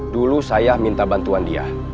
dulu saya minta bantuan dia